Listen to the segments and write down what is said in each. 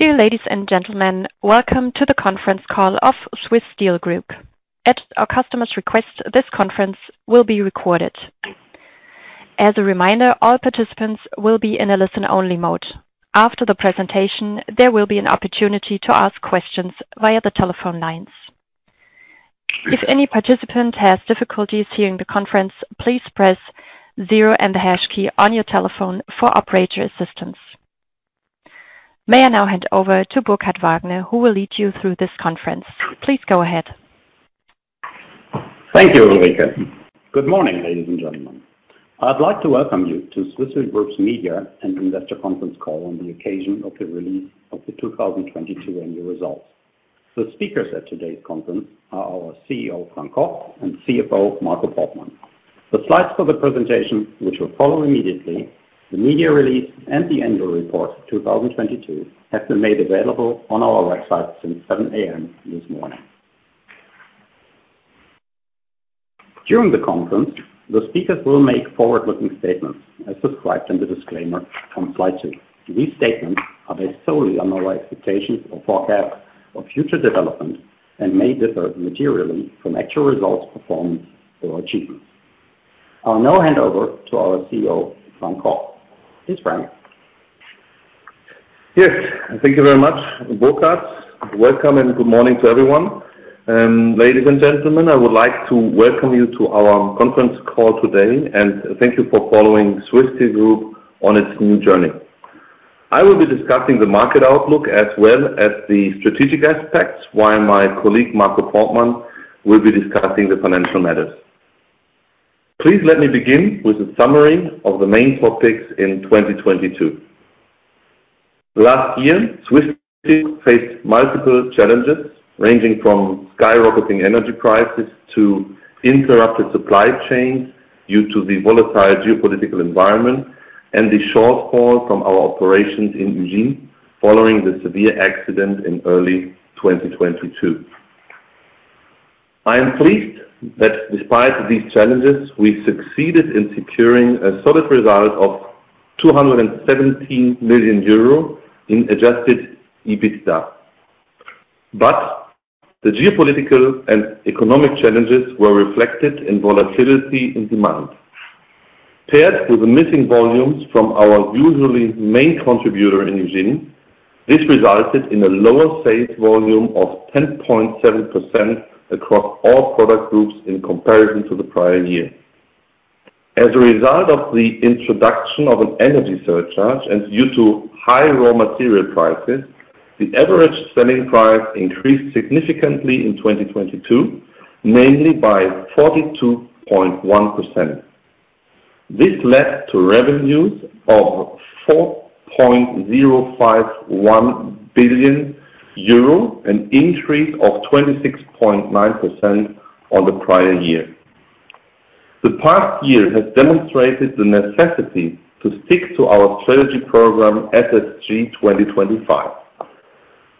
Dear ladies and gentlemen, welcome to the conference call of Swiss Steel Group. At our customer's request, this conference will be recorded. As a reminder, all participants will be in a listen-only mode. After the presentation, there will be an opportunity to ask questions via the telephone lines. If any participant has difficulties hearing the conference, please press zero and the hash key on your telephone for operator assistance. May I now hand over to Burkhard Wagner, who will lead you through this conference. Please go ahead. Thank you, Ulrika. Good morning, ladies and gentlemen. I'd like to welcome you to Swiss Steel Group's Media and Investor Conference Call on the occasion of the release of the 2022 annual results. The speakers at today's conference are our CEO, Frank Koch, and CFO, Marco Portmann. The slides for the presentation, which will follow immediately, the media release, and the annual report 2022, have been made available on our website since 7:00 A.M. this morning. During the conference, the speakers will make forward-looking statements as described in the disclaimer from slide two. These statements are based solely on our expectations or forecasts of future development and may differ materially from actual results, performance, or achievements. I'll now hand over to our CEO, Frank Koch. Here's Frank. Yes. Thank you very much, Burkhard. Welcome and good morning to everyone. Ladies and gentlemen, I would like to welcome you to our conference call today, and thank you for following Swiss Steel Group on its new journey. I will be discussing the market outlook as well as the strategic aspects, while my colleague, Marco Portmann, will be discussing the financial matters. Please let me begin with a summary of the main topics in 2022. Last year, Swiss Steel faced multiple challenges, ranging from skyrocketing energy prices to interrupted supply chains due to the volatile geopolitical environment and the shortfall from our operations in Ugine following the severe accident in early 2022. I am pleased that despite these challenges, we succeeded in securing a solid result of 217 million euro in adjusted EBITDA. The geopolitical and economic challenges were reflected in volatility in demand. Paired with the missing volumes from our usually main contributor in Ugine, this resulted in a lower sales volume of 10.7% across all product groups in comparison to the prior year. As a result of the introduction of an energy surcharge and due to high raw material prices, the average selling price increased significantly in 2022, mainly by 42.1%. This led to revenues of 4.051 billion euro, an increase of 26.9% on the prior year. The past year has demonstrated the necessity to stick to our strategy program, SSG 2025.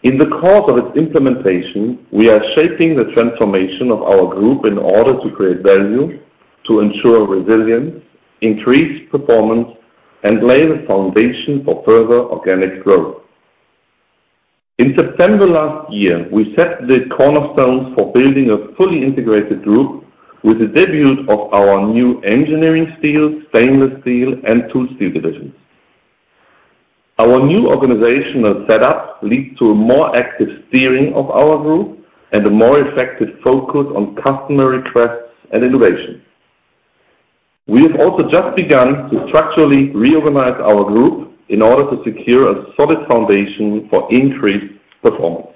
In the course of its implementation, we are shaping the transformation of our group in order to create value, to ensure resilience, increase performance, and lay the foundation for further organic growth. In September last year, we set the cornerstones for building a fully integrated group with the debut of our new engineering steel, stainless steel, and tool steel divisions. Our new organizational setup leads to a more active steering of our group and a more effective focus on customer requests and innovation. We have also just begun to structurally reorganize our group in order to secure a solid foundation for increased performance.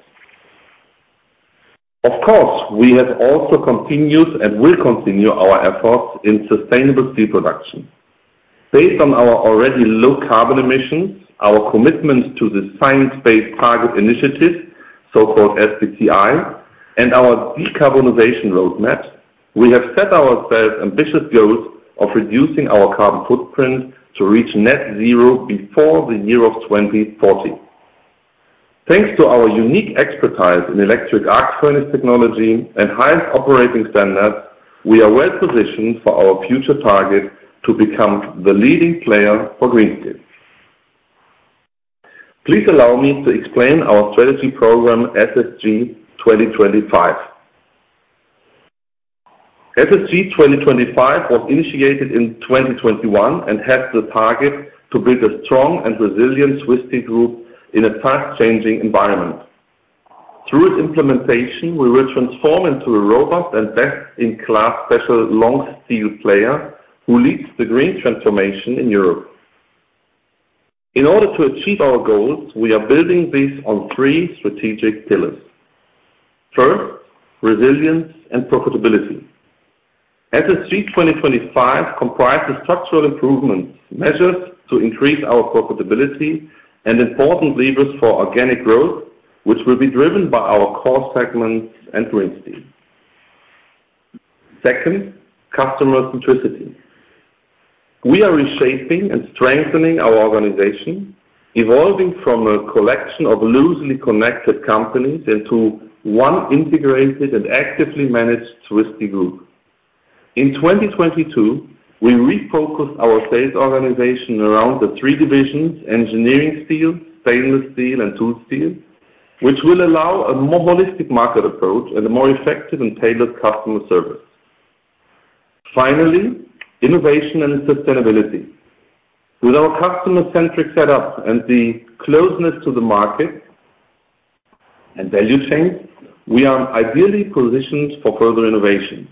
Of course, we have also continued and will continue our efforts in sustainable steel production. Based on our already low carbon emissions, our commitment to the Science Based Targets initiative, so-called SBTi, and our decarbonization roadmap, we have set ourselves ambitious goals of reducing our carbon footprint to reach net zero before the year of 2040. Thanks to our unique expertise in electric arc furnace technology and highest operating standards, we are well-positioned for our future target to become the leading player for Green Steel. Please allow me to explain our strategy program, SSG 2025. SSG 2025 was initiated in 2021 and has the target to build a strong and resilient Swiss Steel Group in a fast-changing environment. Through its implementation, we will transform into a robust and best-in-class special long steel player who leads the green transformation in Europe. In order to achieve our goals, we are building this on three strategic pillars. First, resilience and profitability. SSG 2025 comprises structural improvement measures to increase our profitability and important levers for organic growth, which will be driven by our core segments and Green Steel. Second, customer centricity. We are reshaping and strengthening our organization, evolving from a collection of loosely connected companies into one integrated and actively managed Swiss Steel Group. In 2022, we refocused our sales organization around the three divisions, engineering steel, stainless steel, and tool steel, which will allow a more holistic market approach and a more effective and tailored customer service. Finally, innovation and sustainability. With our customer-centric setup and the closeness to the market and value chain, we are ideally positioned for further innovation.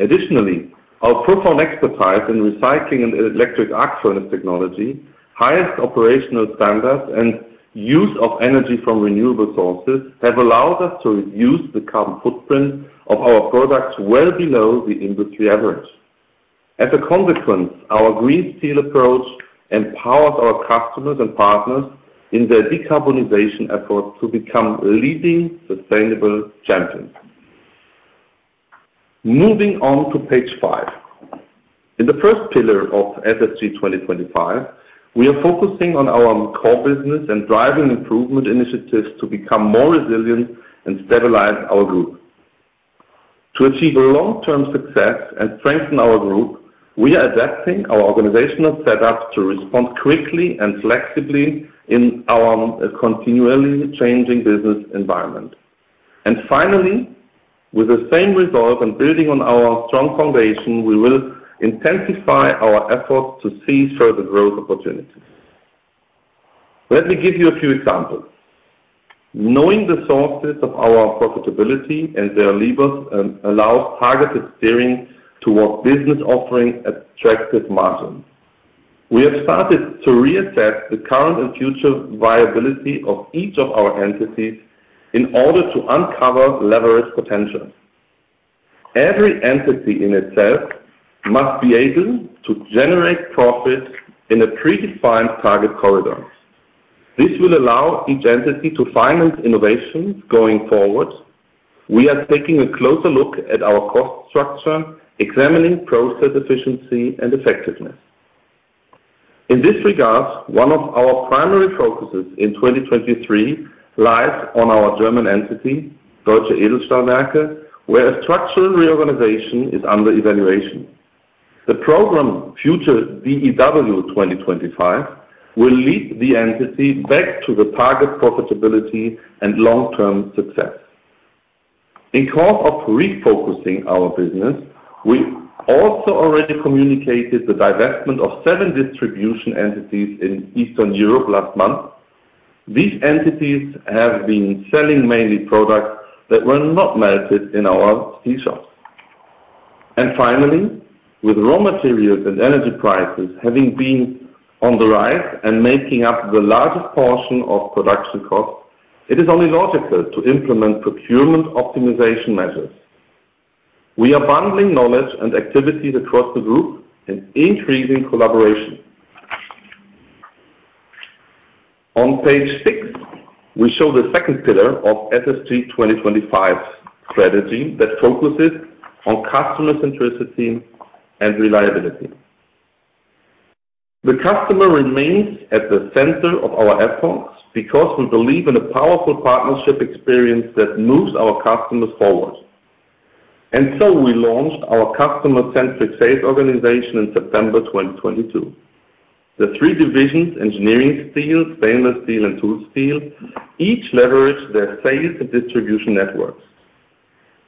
Additionally, our profound expertise in recycling and electric arc furnace technology, highest operational standards, and use of energy from renewable sources have allowed us to reduce the carbon footprint of our products well below the industry average. As a consequence, our Green Steel approach empowers our customers and partners in their decarbonization efforts to become leading sustainable champions. Moving on to page five. In the first pillar of SSG 2025, we are focusing on our core business and driving improvement initiatives to become more resilient and stabilize our group. To achieve long-term success and strengthen our group, we are adapting our organizational setup to respond quickly and flexibly in our continually changing business environment. Finally, with the same resolve and building on our strong foundation, we will intensify our efforts to seize further growth opportunities. Let me give you a few examples. Knowing the sources of our profitability and their levers, allows targeted steering towards business offerings attractive margins. We have started to reassess the current and future viability of each of our entities in order to uncover leverage potential. Every entity in itself must be able to generate profit in a predefined target corridor. This will allow each entity to finance innovations going forward. We are taking a closer look at our cost structure, examining process efficiency and effectiveness. In this regard, one of our primary focuses in 2023 lies on our German entity, Deutsche Edelstahlwerke, where a structural reorganization is under evaluation. The program Future DEW 2025 will lead the entity back to the target profitability and long-term success. Because of refocusing our business, we also already communicated the divestment of seven distribution entities in Eastern Europe last month. These entities have been selling mainly products that were not melted in our melt shops. Finally, with raw materials and energy prices having been on the rise and making up the largest portion of production costs, it is only logical to implement procurement optimization measures. We are bundling knowledge and activities across the group and increasing collaboration. On page six, we show the second pillar of SSG 2025 strategy that focuses on customer centricity and reliability. The customer remains at the center of our efforts because we believe in a powerful partnership experience that moves our customers forward. We launched our customer-centric sales organization in September 2022. The three divisions, engineering steel, stainless steel, and tool steel, each leverage their sales and distribution networks.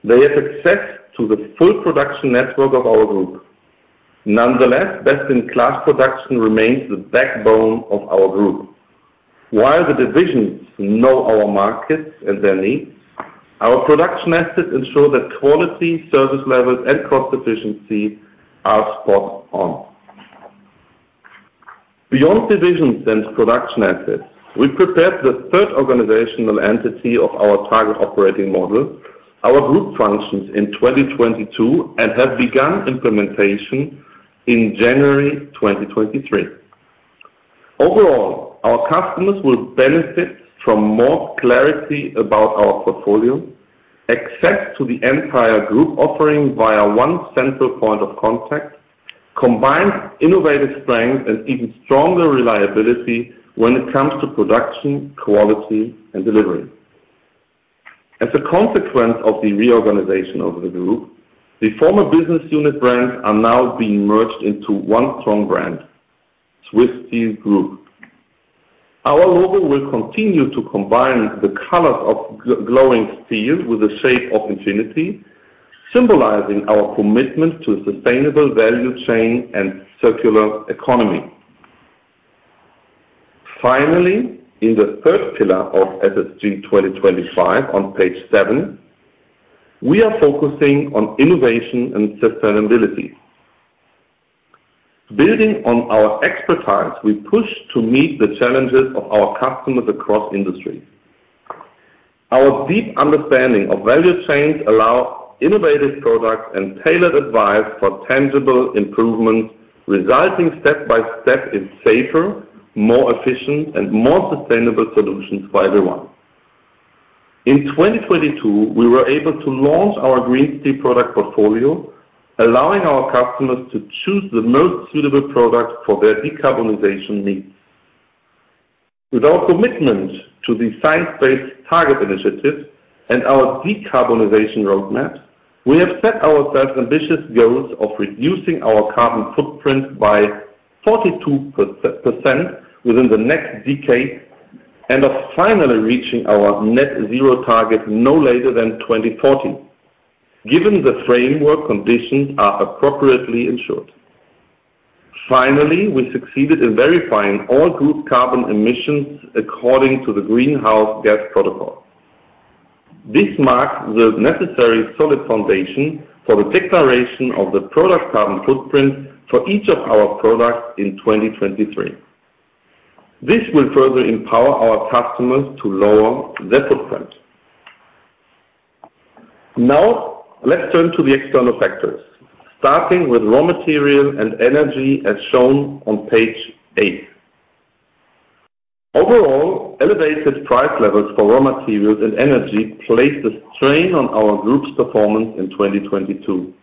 They have access to the full production network of our group. Best-in-class production remains the backbone of our group. While the divisions know our markets and their needs, our production assets ensure that quality, service levels, and cost efficiency are spot on. Beyond divisions and production assets, we prepared the third organizational entity of our target operating model, our group functions in 2022, and have begun implementation in January 2023. Overall, our customers will benefit from more clarity about our portfolio, access to the entire group offering via one central point of contact, combined innovative strength and even stronger reliability when it comes to production, quality, and delivery. As a consequence of the reorganization of the group, the former business unit brands are now being merged into one strong brand, Swiss Steel Group. Our logo will continue to combine the colors of glowing steel with the shape of infinity, symbolizing our commitment to a sustainable value chain and circular economy. Finally, in the third pillar of SSG 2025 on page seven, we are focusing on innovation and sustainability. Building on our expertise, we push to meet the challenges of our customers across industries. Our deep understanding of value chains allow innovative products and tailored advice for tangible improvements, resulting step by step in safer, more efficient, and more sustainable solutions for everyone. In 2022, we were able to launch our Green Steel product portfolio, allowing our customers to choose the most suitable product for their decarbonization needs. With our commitment to the Science Based Targets initiative and our decarbonization roadmap, we have set ourselves ambitious goals of reducing our carbon footprint by 42% within the next decade and of finally reaching our net zero target no later than 2040, given the framework conditions are appropriately insured. Finally, we succeeded in verifying all group carbon emissions according to the Greenhouse Gas Protocol. This marks the necessary solid foundation for the declaration of the product carbon footprint for each of our products in 2023. This will further empower our customers to lower their footprint. Let's turn to the external factors, starting with raw material and energy, as shown on page eight. Overall, elevated price levels for raw materials and energy placed a strain on our group's performance in 2022.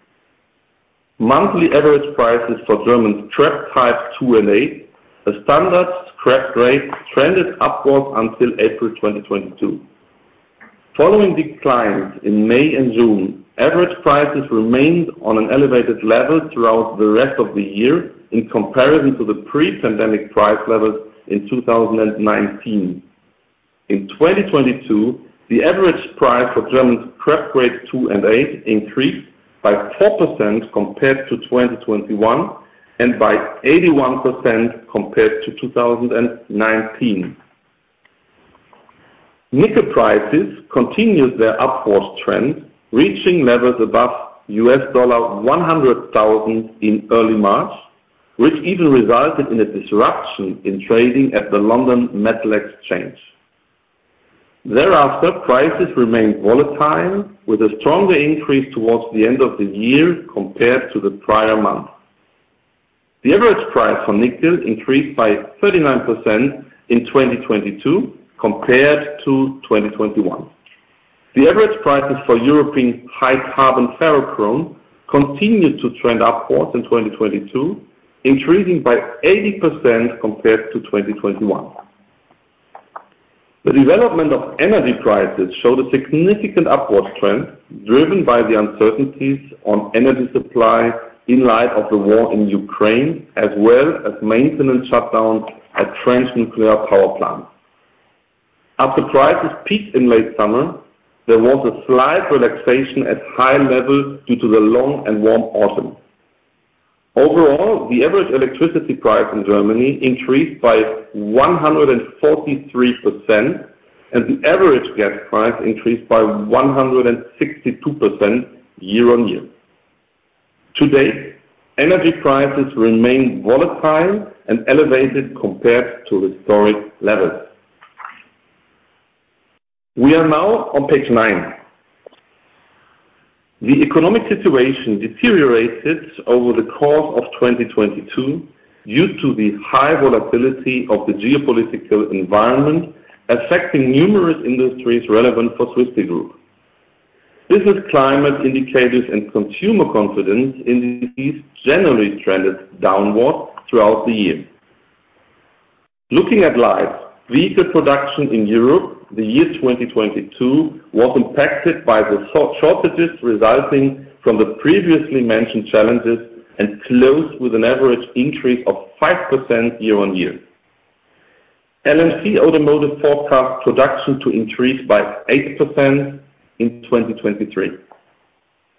Monthly average prices for German scrap types 2 and 8, a standard scrap rate trended upwards until April 2022. Following declines in May and June, average prices remained on an elevated level throughout the rest of the year in comparison to the pre-pandemic price levels in 2019. In 2022, the average price for German scrap grade 2 and 8 increased by 4% compared to 2021 and by 81% compared to 2019. Nickel prices continued their upwards trend, reaching levels above $100,000 in early March, which even resulted in a disruption in trading at the London Metal Exchange. Thereafter, prices remained volatile, with a stronger increase towards the end of the year compared to the prior month. The average price for nickel increased by 39% in 2022 compared to 2021. The average prices for European high carbon ferrochrome continued to trend upwards in 2022, increasing by 80% compared to 2021. The development of energy prices showed a significant upward trend, driven by the uncertainties on energy supply in light of the war in Ukraine, as well as maintenance shutdowns at French nuclear power plants. After prices peaked in late summer, there was a slight relaxation at high levels due to the long and warm autumn. Overall, the average electricity price in Germany increased by 143%, and the average gas price increased by 162% year-over-year. To date, energy prices remain volatile and elevated compared to historic levels. We are now on page nine. The economic situation deteriorated over the course of 2022 due to the high volatility of the geopolitical environment affecting numerous industries relevant for Swiss Steel Group. Business climate indicators and consumer confidence indices generally trended downwards throughout the year. Looking at life, vehicle production in Europe, the year 2022 was impacted by the shortages resulting from the previously mentioned challenges and closed with an average increase of 5% year-over-year. LMC Automotive forecast production to increase by 8% in 2023.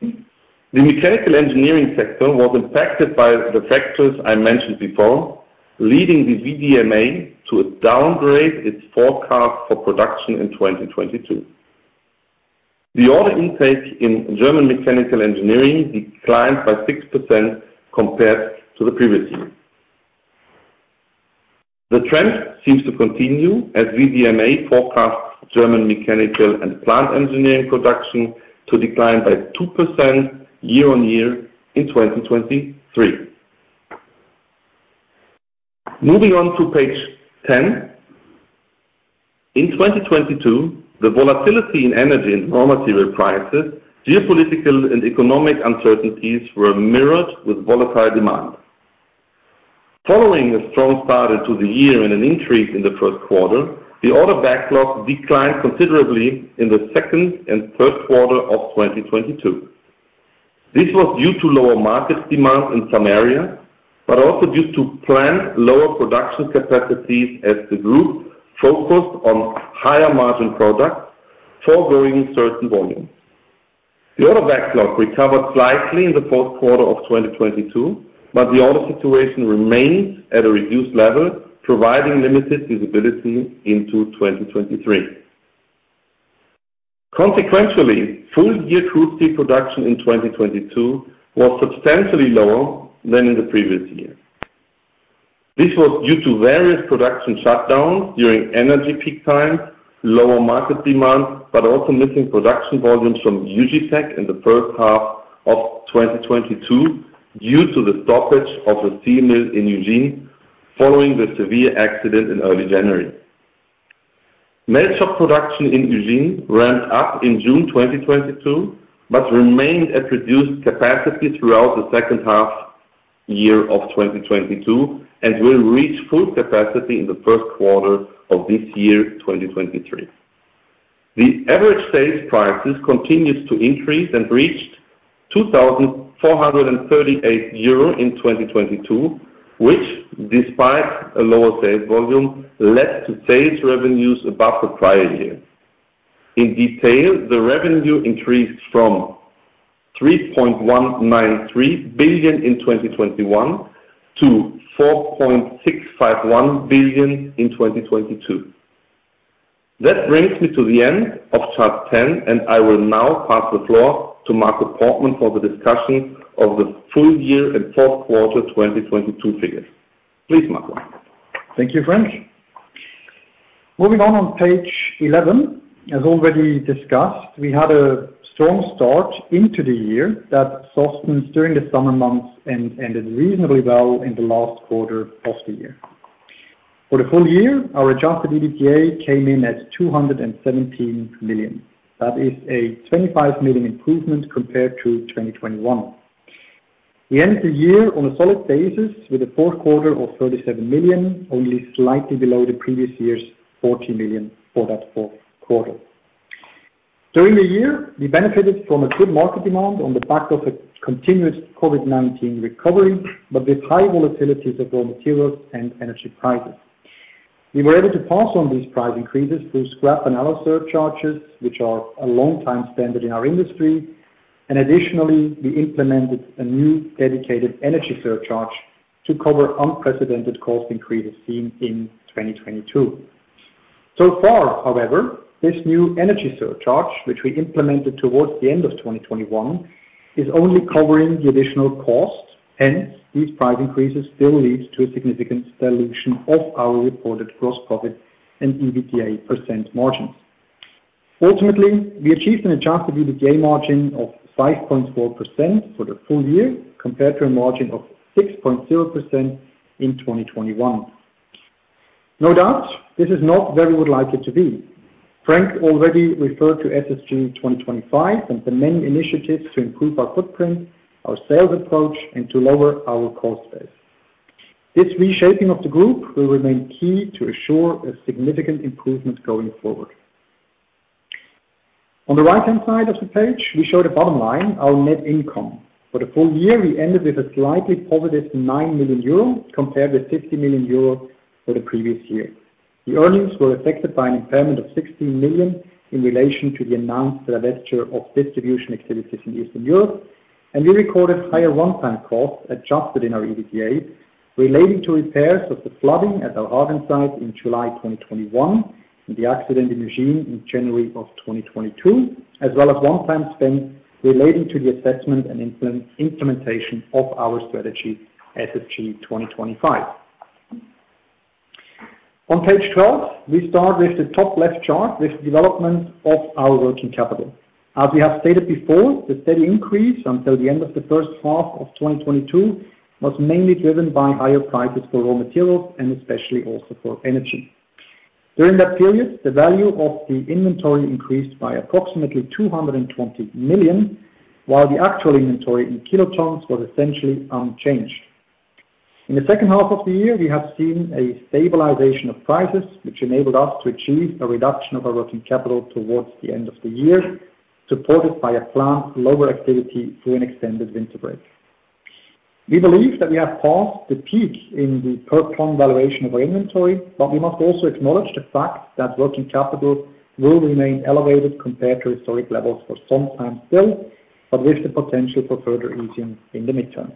The mechanical engineering sector was impacted by the factors I mentioned before, leading the VDMA to downgrade its forecast for production in 2022. The order intake in German mechanical engineering declined by 6% compared to the previous year. The trend seems to continue as VDMA forecasts German mechanical and plant engineering production to decline by 2% year-on-year in 2023. Moving on to page 10. In 2022, the volatility in energy and raw material prices, geopolitical and economic uncertainties were mirrored with volatile demand. Following a strong start into the year and an increase in the 1st quarter, the order backlog declined considerably in the 2nd and 3rd quarter of 2022. This was due to lower market demand in some areas, but also due to planned lower production capacities as the group focused on higher margin products, forgoing certain volumes. The order backlog recovered slightly in the fourth quarter of 2022, but the order situation remains at a reduced level, providing limited visibility into 2023. Consequentially, full-year crude steel production in 2022 was substantially lower than in the previous year. This was due to various production shutdowns during energy peak times, lower market demand, but also missing production volumes from Ugitech in the first half of 2022 due to the stoppage of the steel mill in Ugine following the severe accident in early January. Melt production in Ugine ran up in June 2022, but remained at reduced capacity throughout the second half of 2022, and will reach full capacity in the first quarter of this year, 2023. The average sales prices continues to increase and reached 2,438 euro in 2022, which despite a lower sales volume, led to sales revenues above the prior year. In detail, the revenue increased from 3.193 billion in 2021 to 4.651 billion in 2022. That brings me to the end of chart 10, and I will now pass the floor to Marco Portmann for the discussion of the full year and fourth quarter 2022 figures. Please, Marco. Thank you, Frank. Moving on page 11. As already discussed, we had a strong start into the year that softened during the summer months and ended reasonably well in the last quarter of the year. For the full year, our adjusted EBITDA came in at 217 million. That is a 25 million improvement compared to 2021. We end the year on a solid basis with a fourth quarter of 37 million, only slightly below the previous year's 40 million for that fourth quarter. During the year, we benefited from a good market demand on the back of a continuous COVID-19 recovery, but with high volatilities of raw materials and energy prices. We were able to pass on these price increases through scrap and other surcharges, which are a long time standard in our industry. Additionally, we implemented a new dedicated energy surcharge to cover unprecedented cost increases seen in 2022. So far, however, this new energy surcharge, which we implemented towards the end of 2021, is only covering the additional cost, hence, these price increases still leads to a significant dilution of our reported gross profit and EBITDA percent margins. Ultimately, we achieved an adjusted EBITDA margin of 5.4% for the full year, compared to a margin of 6.0% in 2021. No doubt, this is not where we would like it to be. Frank already referred to SSG 2025 and the many initiatives to improve our footprint, our sales approach, and to lower our cost base. This reshaping of the group will remain key to assure a significant improvement going forward. On the right-hand side of the page, we show the bottom line, our net income. For the full year, we ended with a slightly positive 9 million euro, compared with 50 million euro for the previous year. The earnings were affected by an impairment of 16 million in relation to the announced divesture of distribution activities in Eastern Europe. We recorded higher one-time costs adjusted in our EBITDA relating to repairs of the flooding at our Hagen site in July 2021, and the accident in June, in January of 2022, as well as one-time spend relating to the assessment and implementation of our strategy, SSG 2025. On page 12, we start with the top left chart with development of our working capital. As we have stated before, the steady increase until the end of the first half of 2022 was mainly driven by higher prices for raw materials and especially also for energy. During that period, the value of the inventory increased by approximately 220 million, while the actual inventory in kilotons was essentially unchanged. In the second half of the year, we have seen a stabilization of prices, which enabled us to achieve a reduction of our working capital towards the end of the year, supported by a planned lower activity through an extended winter break. We believe that we have passed the peak in the per ton valuation of our inventory, but we must also acknowledge the fact that working capital will remain elevated compared to historic levels for some time still, but with the potential for further easing in the midterm.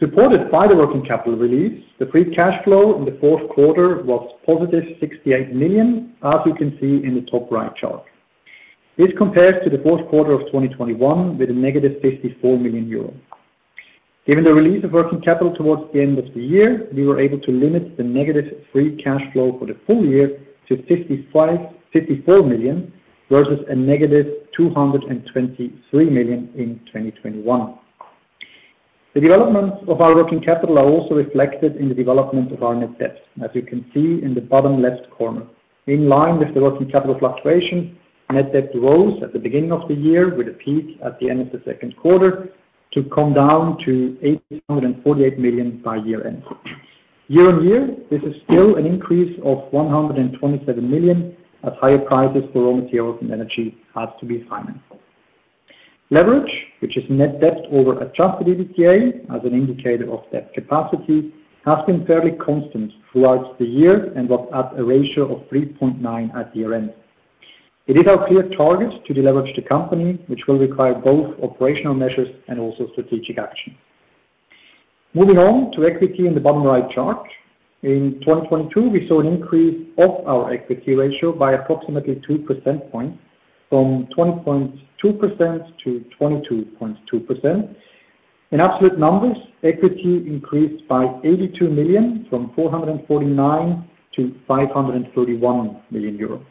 Supported by the working capital release, the free cash flow in the fourth quarter was positive 68 million, as you can see in the top right chart. This compares to the fourth quarter of 2021 with a negative 54 million euro. Given the release of working capital towards the end of the year, we were able to limit the negative free cash flow for the full year to 54 million, versus a negative 223 million in 2021. The developments of our working capital are also reflected in the development of our net debt, as you can see in the bottom left corner. In line with the working capital fluctuation, net debt rose at the beginning of the year with a peak at the end of the second quarter to come down to 848 million by year end. Year-on-year, this is still an increase of 127 million as higher prices for raw materials and energy had to be financed. Leverage, which is net debt over adjusted EBITDA as an indicator of debt capacity, has been fairly constant throughout the year and was at a ratio of 3.9 at year end. It is our clear target to deleverage the company, which will require both operational measures and also strategic action. Moving on to equity in the bottom right chart. In 2022, we saw an increase of our equity ratio by approximately two percentage points from 20.2% to 22.2%. In absolute numbers, equity increased by 82 million from 449 million to 531 million euros.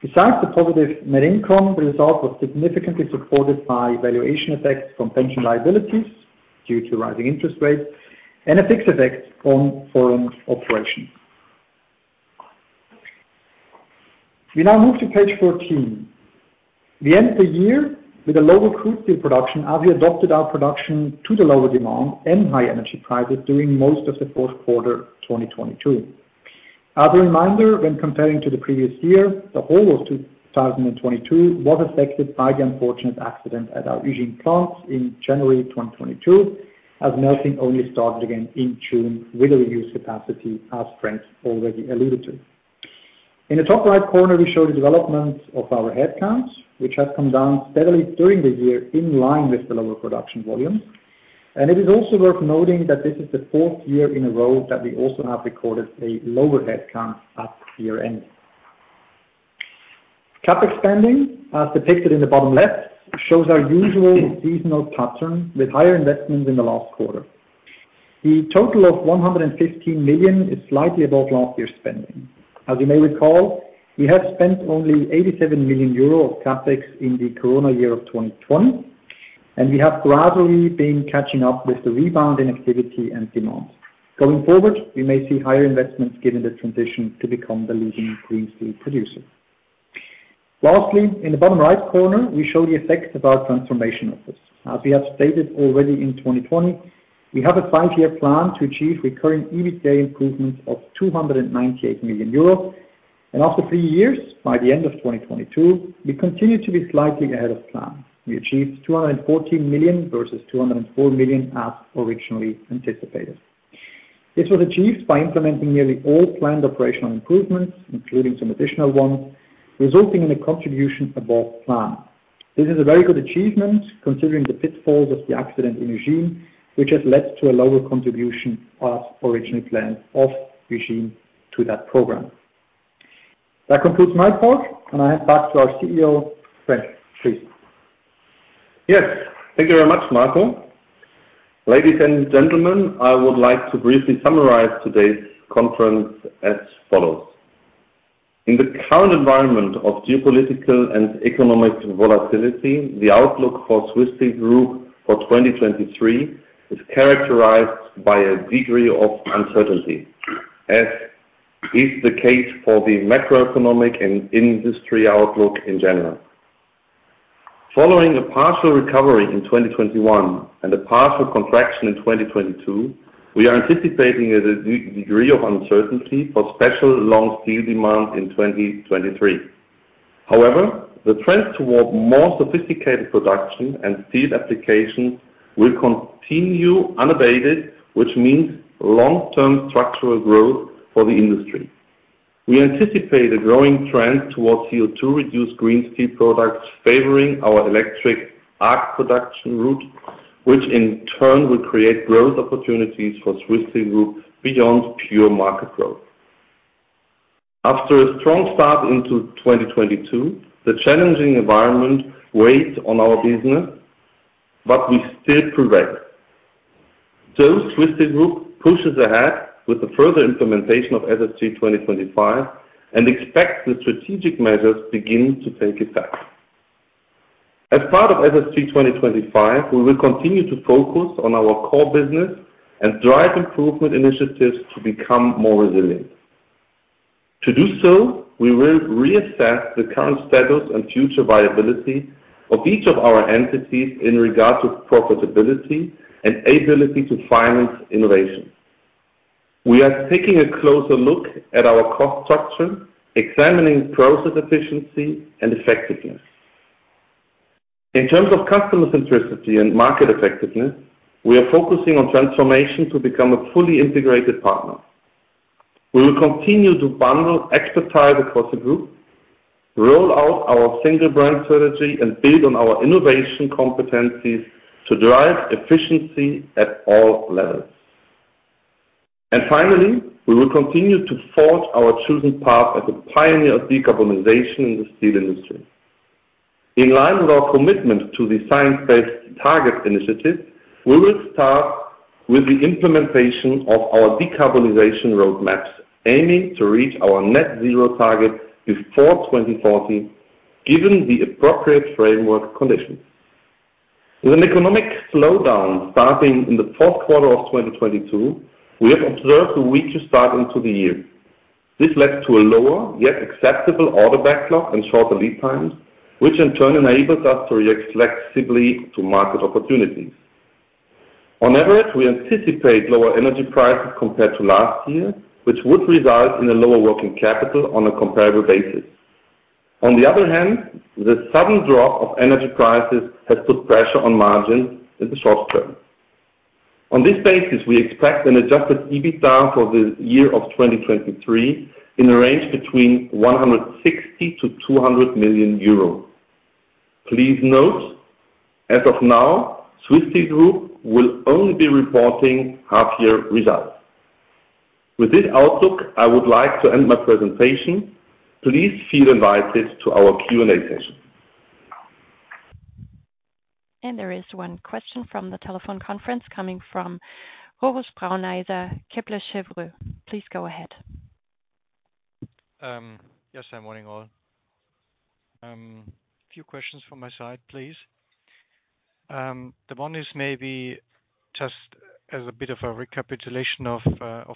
Besides the positive net income, the result was significantly supported by valuation effects from pension liabilities due to rising interest rates and a fixed effect on foreign operations. We now move to page 14. We end the year with a lower crude steel production as we adopted our production to the lower demand and high energy prices during most of the fourth quarter, 2022. As a reminder, when comparing to the previous year, the whole of 2022 was affected by the unfortunate accident at our Ugine plant in January 2022, as melting only started again in June with a reduced capacity, as Frank already alluded to. In the top right corner, we show the development of our headcounts, which have come down steadily during the year in line with the lower production volume. It is also worth noting that this is the fourth year in a row that we also have recorded a lower headcount at year-end. CapEx spending, as depicted in the bottom left, shows our usual seasonal pattern with higher investments in the last quarter. The total of 115 million is slightly above last year's spending. As you may recall, we have spent only 87 million euro of CapEx in the corona year of 2020, and we have gradually been catching up with the rebound in activity and demand. Going forward, we may see higher investments given the transition to become the leading Green Steel producer. Lastly, in the bottom right corner, we show the effects of our transformation office. As we have stated already in 2020, we have a five-year plan to achieve recurring EBITDA improvements of 298 million euros. After three years, by the end of 2022, we continued to be slightly ahead of plan. We achieved 214 million versus 204 million as originally anticipated. This was achieved by implementing nearly all planned operational improvements, including some additional ones, resulting in a contribution above plan. This is a very good achievement considering the pitfalls of the accident in Ugine, which has led to a lower contribution as originally planned of Ugine to that program. That concludes my part, and I hand back to our CEO, Frank Koch. Please. Yes. Thank you very much, Marco. Ladies and gentlemen, I would like to briefly summarize today's conference as follows. In the current environment of geopolitical and economic volatility, the outlook for Swiss Steel Group for 2023 is characterized by a degree of uncertainty, as is the case for the macroeconomic and industry outlook in general. Following a partial recovery in 2021 and a partial contraction in 2022, we are anticipating a degree of uncertainty for special long steel demand in 2023. However, the trend toward more sophisticated production and steel applications will continue unabated, which means long-term structural growth for the industry. We anticipate a growing trend towards CO₂ reduce green steel products favoring our electric arc production route, which in turn will create growth opportunities for Swiss Steel Group beyond pure market growth. After a strong start into 2022, the challenging environment weighed on our business, but we still progressed. Swiss Steel Group pushes ahead with the further implementation of SSG 2025 and expects the strategic measures begin to take effect. As part of SSG 2025, we will continue to focus on our core business and drive improvement initiatives to become more resilient. To do so, we will reassess the current status and future viability of each of our entities in regards to profitability and ability to finance innovations. We are taking a closer look at our cost structure, examining process efficiency and effectiveness. In terms of customer centricity and market effectiveness, we are focusing on transformation to become a fully integrated partner. We will continue to bundle expertise across the group, roll out our single brand strategy, and build on our innovation competencies to drive efficiency at all levels. Finally, we will continue to forge our chosen path as a pioneer of decarbonization in the steel industry. In line with our commitment to the Science Based Targets initiative, we will start with the implementation of our decarbonization roadmaps, aiming to reach our net zero target before 2040, given the appropriate framework conditions. With an economic slowdown starting in the fourth quarter of 2022, we have observed a weaker start into the year. This led to a lower, yet acceptable order backlog and shorter lead times, which in turn enables us to react flexibly to market opportunities. On average, we anticipate lower energy prices compared to last year, which would result in a lower working capital on a comparable basis. The sudden drop of energy prices has put pressure on margins in the short term. On this basis, we expect an adjusted EBITDA for the year of 2023 in a range between 160 million-200 million euros. Please note, as of now, Swiss Steel Group will only be reporting half year results. With this outlook, I would like to end my presentation. Please feel invited to our Q&A session. There is one question from the telephone conference coming from Rochus Brauneiser, Kepler Cheuvreux. Please go ahead. Yes, hi, morning all. A few questions from my side, please. The one is maybe just as a bit of a recapitulation of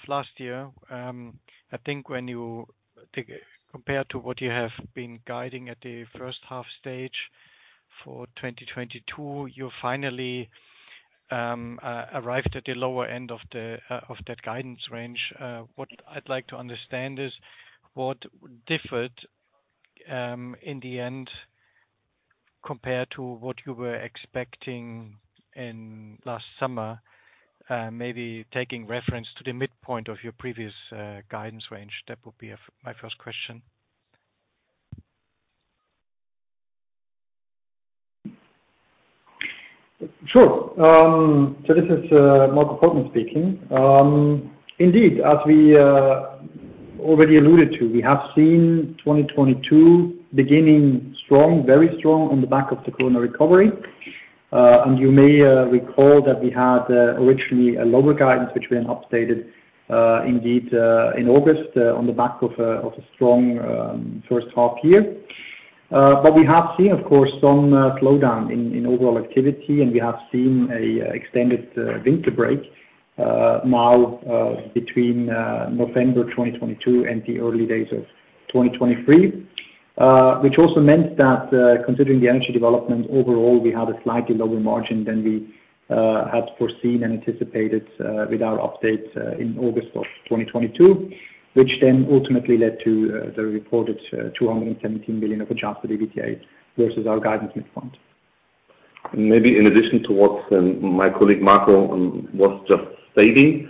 last year. I think compared to what you have been guiding at the first half stage for 2022, you finally arrived at the lower end of that guidance range. What I'd like to understand is what differed in the end compared to what you were expecting in last summer, maybe taking reference to the midpoint of your previous guidance range. That would be my first question. Sure. This is Marco Portmann speaking. Indeed, as we already alluded to, we have seen 2022 beginning strong, very strong on the back of the corona recovery. You may recall that we had originally a lower guidance, which we then updated indeed in August on the back of a strong first half year. We have seen, of course, some slowdown in overall activity, and we have seen a extended winter break now between November 2022 and the early days of 2023. Which also meant that, considering the energy development overall, we had a slightly lower margin than we had foreseen and anticipated with our update in August of 2022, which then ultimately led to the reported 217 million of adjusted EBITDA versus our guidance midpoint. Maybe in addition to what my colleague Marco was just stating,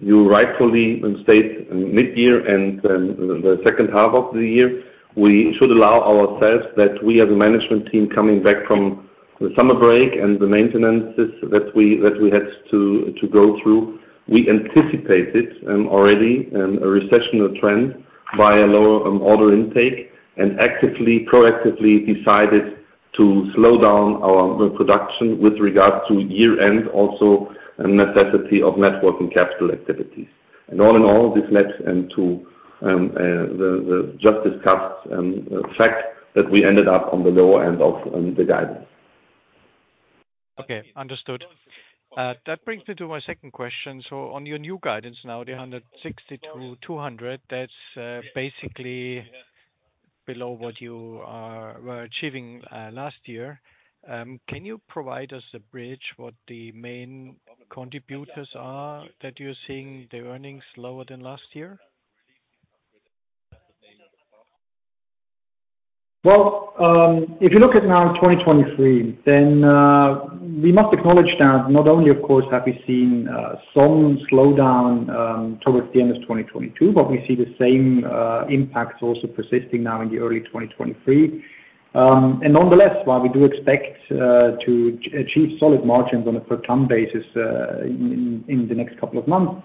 you rightfully state mid-year and the second half of the year. We should allow ourselves that we as a management team coming back from the summer break and the maintenances that we had to go through. We anticipated already a recessional trend via lower order intake and actively, proactively decided to slow down our production with regards to year end, also a necessity of net working capital activities. All in all, this led to the just discussed fact that we ended up on the lower end of the guidance. Okay, understood. That brings me to my second question. On your new guidance now, the 160 million-200 million, that's basically below what you were achieving last year. Can you provide us a bridge what the main contributors are that you're seeing the earnings lower than last year? If you look at now 2023, then we must acknowledge that not only, of course, have we seen some slowdown towards the end of 2022, but we see the same impacts also persisting now in the early 2023. Nonetheless, while we do expect to achieve solid margins on a per ton basis in the next couple of months,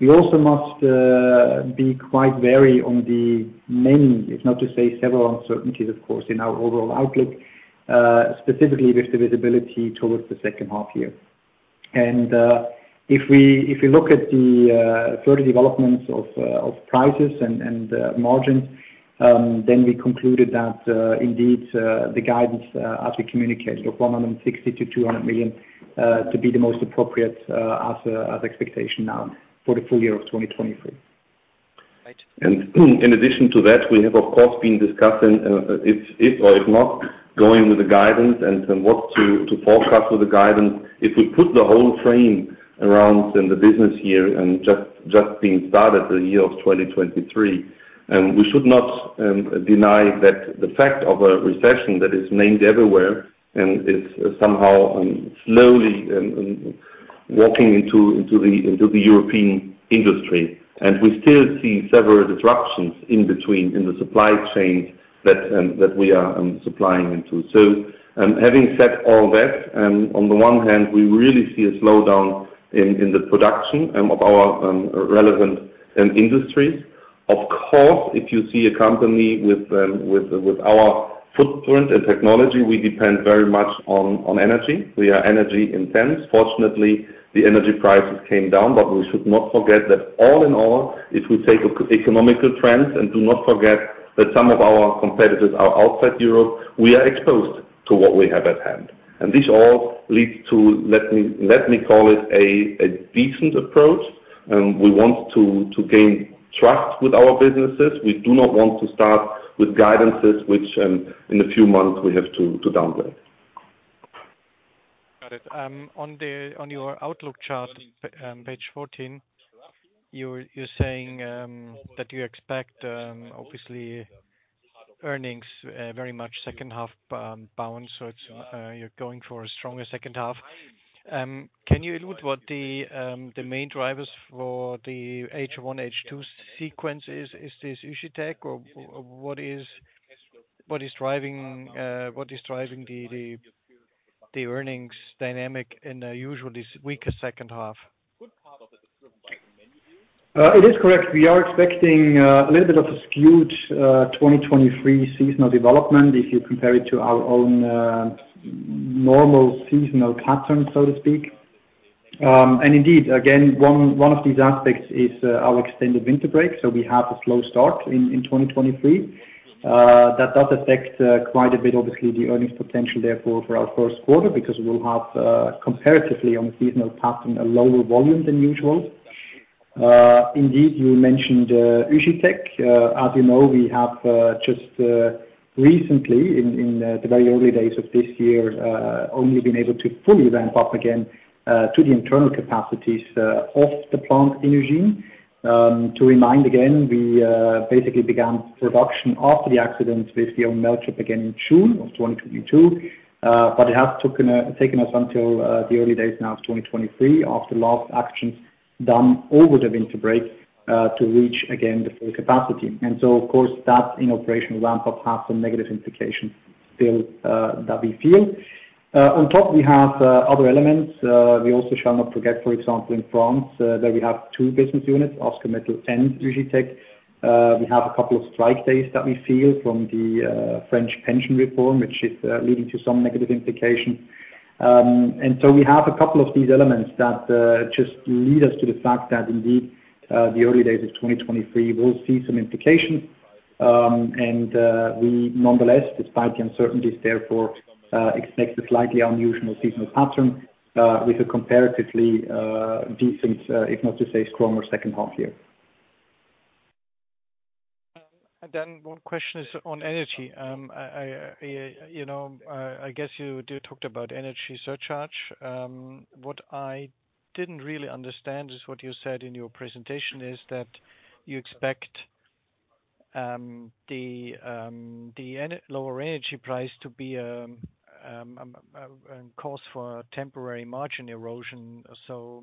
we also must be quite wary on the many, if not to say several uncertainties, of course, in our overall outlook, specifically with the visibility towards the second half year. If we look at the further developments of prices and margins, then we concluded that indeed the guidance as we communicated of 160 million-200 million to be the most appropriate as expectation now for the full year of 2023. Right. In addition to that, we have of course been discussing if or if not going with the guidance and what to forecast with the guidance. If we put the whole frame around in the business year and just being started the year of 2023, we should not deny that the fact of a recession that is named everywhere and it's somehow slowly walking into the European industry. We still see several disruptions in between, in the supply chain that we are supplying into. Having said all that, on the one hand, we really see a slowdown in the production of our relevant industry. Of course, if you see a company with our footprint and technology, we depend very much on energy. We are energy intense. Fortunately, the energy prices came down. We should not forget that all in all, if we take economical trends, and do not forget that some of our competitors are outside Europe, we are exposed to what we have at hand. This all leads to, let me call it a decent approach, and we want to gain trust with our businesses. We do not want to start with guidances, which in a few months we have to downgrade. Got it. On your outlook chart, page 14, you're saying that you expect obviously earnings very much second half bound. It's, you're going for a stronger second half. Can you allude what the main drivers for the H1, H2 sequence is? Is this Ugitech or what is driving the earnings dynamic in a usually weaker second half? It is correct. We are expecting a little bit of a skewed 2023 seasonal development if you compare it to our own normal seasonal pattern, so to speak. Indeed, again, one of these aspects is our extended winter break, so we have a slow start in 2023. That does affect quite a bit obviously the earnings potential therefore for our first quarter because we'll have comparatively on the seasonal pattern, a lower volume than usual. Indeed, you mentioned Ugitech. As you know, we have just recently in the very early days of this year only been able to fully ramp up again to the internal capacities of the plant in Ugine. To remind again, we basically began production after the accident, basically on melt trip again in June of 2022. It has taken us until the early days now of 2023 after last actions done over the winter break to reach again the full capacity. Of course, that in operational ramp up has some negative implications still that we feel. We have other elements. We shall not forget, for example, in France, that we have two business units, Ascometal and Ugitech. We have a couple of strike days that we feel from the French pension reform, which is leading to some negative implications. We have a couple of these elements that just lead us to the fact that indeed, the early days of 2023 will see some implications. We nonetheless, despite the uncertainties therefore, expect a slightly unusual seasonal pattern with a comparatively decent, if not to say stronger second half year. One question is on energy. I, you know, I guess you do talked about energy surcharge. What I didn't really understand is what you said in your presentation is that you expect the lower energy price to be a cause for temporary margin erosion.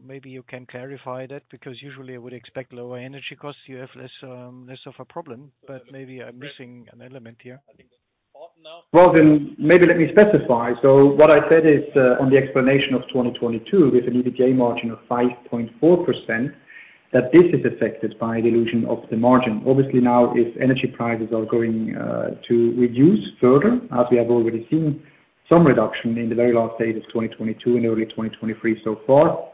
Maybe you can clarify that because usually I would expect lower energy costs, you have less of a problem? Maybe I'm missing an element here? Well, maybe let me specify. What I said is, on the explanation of 2022 with an EBITDA margin of 5.4%, that this is affected by dilution of the margin. Obviously now if energy prices are going to reduce further, as we have already seen some reduction in the very last days of 2022 and early 2023 so far,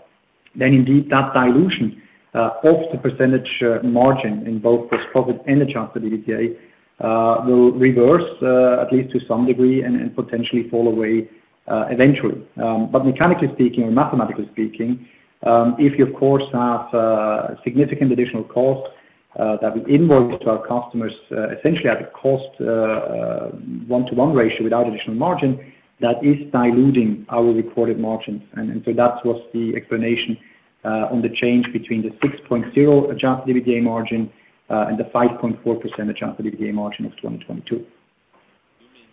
indeed that dilution of the percentage margin in both post profit and adjusted EBITDA will reverse at least to some degree and potentially fall away eventually. Mechanically speaking or mathematically speaking, if you of course have significant additional costs that we invoice to our customers essentially at a cost one-to-one ratio without additional margin, that is diluting our recorded margins. That was the explanation on the change between the 6.0% adjusted EBITDA margin and the 5.4% adjusted EBITDA margin of 2022.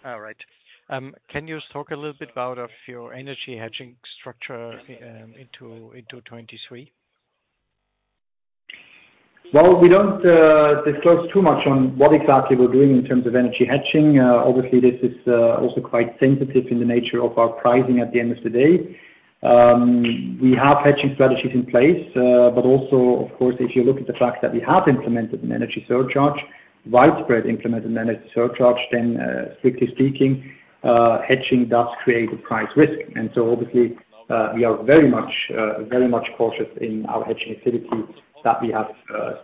All right. Can you talk a little bit about of your energy hedging structure into 2023? Well, we don't disclose too much on what exactly we're doing in terms of energy hedging. Obviously this is also quite sensitive in the nature of our pricing at the end of the day. We have hedging strategies in place, but also of course if you look at the fact that we have implemented an energy surcharge, widespread implemented energy surcharge, then strictly speaking, hedging does create a price risk. Obviously, we are very much cautious in our hedging activities that we have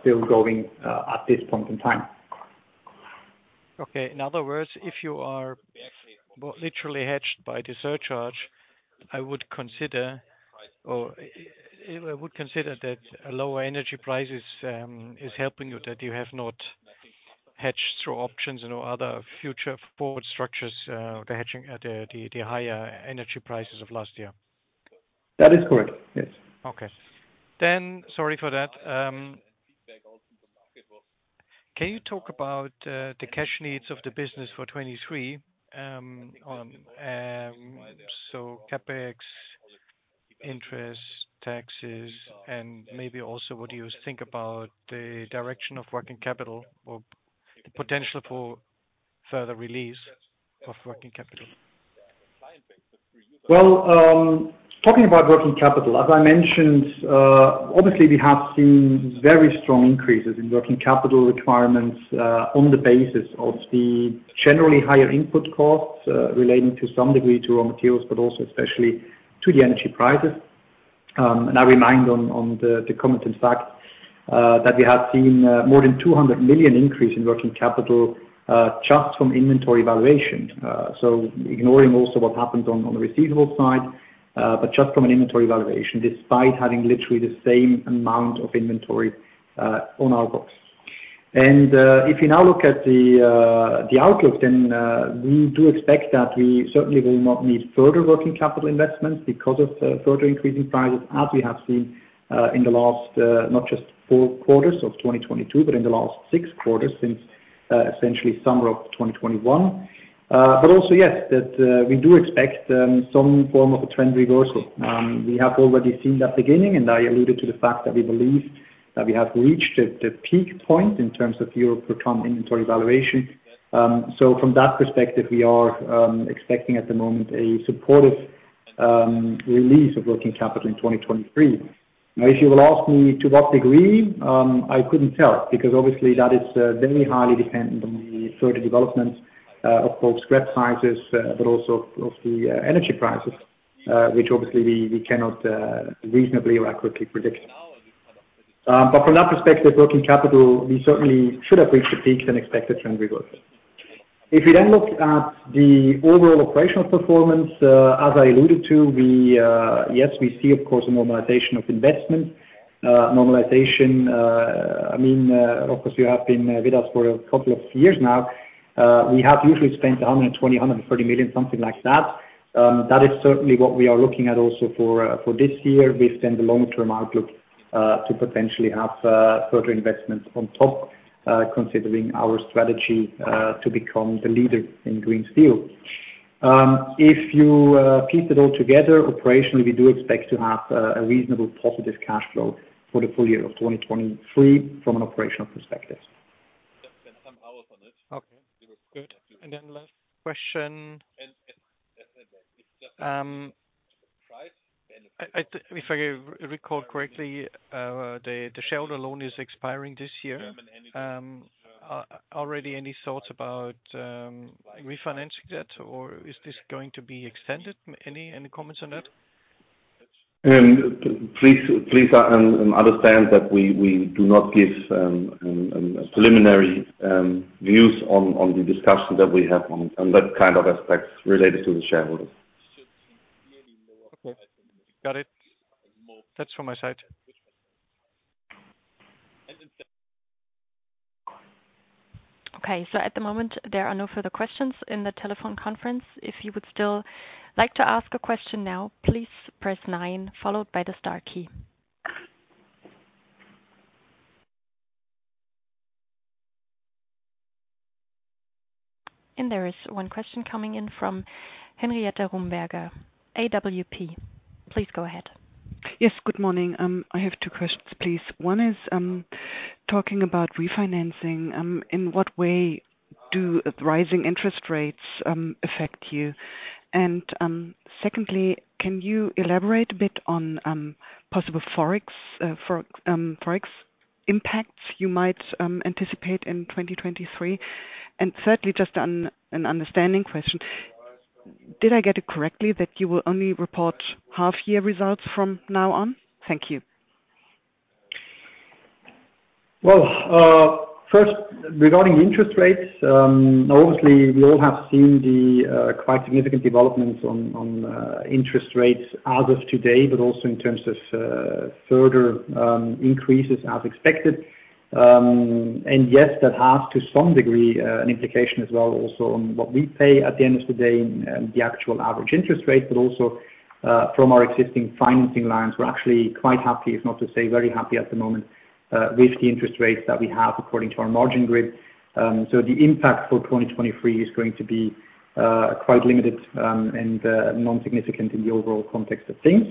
still going at this point in time. Okay. In other words, if you are, well, literally hedged by the surcharge, I would consider that a lower energy price is helping you, that you have not hedged through options or other future forward structures, the hedging, the higher energy prices of last year. That is correct. Yes. Okay. Sorry for that. Can you talk about the cash needs of the business for 2023, on, CapEx, interests, taxes and maybe also what you think about the direction of working capital or the potential for further release of working capital? Well, talking about working capital, as I mentioned, obviously we have seen very strong increases in working capital requirements, on the basis of the generally higher input costs, relating to some degree to raw materials, but also especially to the energy prices. I remind on the comment in fact, that we have seen more than 200 million increase in working capital, just from inventory valuation. Ignoring also what happens on the receivable side, but just from an inventory valuation despite having literally the same amount of inventory, on our books. If you now look at the outlook, we do expect that we certainly will not need further working capital investments because of further increasing prices as we have seen in the last, not just four quarters of 2022, but in the last six quarters since essentially summer of 2021. Yes, that we do expect some form of a trend reversal. We have already seen that beginning, and I alluded to the fact that we believe that we have reached the peak point in terms of Europe return inventory valuation. From that perspective, we are expecting at the moment a supportive release of working capital in 2023. If you will ask me to what degree, I couldn't tell, because obviously that is very highly dependent on the further development of both scrap prices, but also of the energy prices, which obviously we cannot reasonably or accurately predict. From that perspective, working capital, we certainly should have reached a peak and expect it from reversal. If you look at the overall operational performance, as I alluded to, we, yes, we see, of course, a normalization of investment. Normalization, I mean, of course, you have been with us for a couple of years now. We have usually spent 120 million, 130 million, something like that. That is certainly what we are looking at also for this year based on the long-term outlook to potentially have further investments on top considering our strategy to become the leader in Green Steel. If you piece it all together operationally, we do expect to have a reasonable positive cash flow for the full year of 2023 from an operational perspective. Okay, good. Last question. If I recall correctly, the shareholder loan is expiring this year. Already any thoughts about refinancing that, or is this going to be extended? Any comments on that? Please understand that we do not give preliminary views on the discussion that we have on that kind of aspects related to the shareholders. Okay. Got it. That's from my side. Okay. At the moment, there are no further questions in the telephone conference. If you would still like to ask a question now, please press nine followed by the star key. There is one question coming in from Henrietta Rumberger, AWP. Please go ahead. Yes. Good morning. I have two questions, please. One is, talking about refinancing, in what way do rising interest rates affect you? Secondly, can you elaborate a bit on possible Forex impacts you might anticipate in 2023? Thirdly, just an understanding question. Did I get it correctly that you will only report half year results from now on? Thank you. First regarding interest rates, obviously we all have seen the quite significant developments on interest rates as of today, but also in terms of further increases as expected. Yes, that has to some degree an implication as well also on what we pay at the end of the day in the actual average interest rate, but also from our existing financing lines. We're actually quite happy, if not to say very happy at the moment, with the interest rates that we have according to our margin grid. The impact for 2023 is going to be quite limited and non-significant in the overall context of things.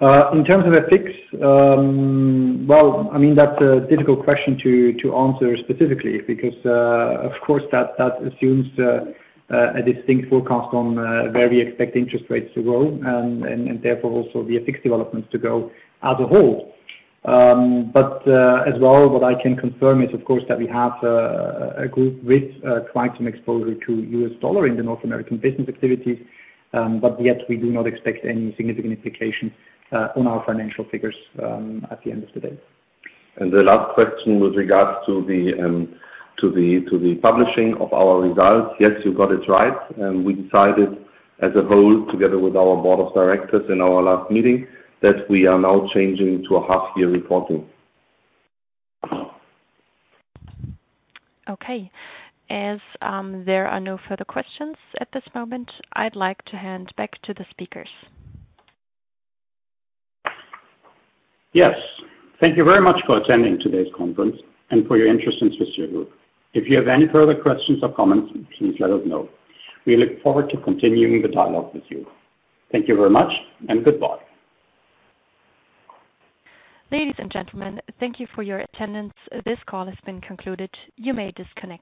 In terms of FX, well, I mean, that's a difficult question to answer specifically because, of course that assumes a distinct forecast on where we expect interest rates to go and therefore also the FX developments to go as a whole. As well, what I can confirm is, of course, that we have a group with quite some exposure to U.S. dollar in the North American business activities, but yet we do not expect any significant implications on our financial figures at the end of the day. The last question with regards to the publishing of our results. Yes, you got it right. We decided as a whole, together with our board of directors in our last meeting, that we are now changing to a half year reporting. Okay. As, there are no further questions at this moment, I'd like to hand back to the speakers. Yes. Thank you very much for attending today's conference and for your interest in Swiss Steel Group. If you have any further questions or comments, please let us know. We look forward to continuing the dialogue with you. Thank you very much and goodbye. Ladies and gentlemen, thank you for your attendance. This call has been concluded. You may disconnect now.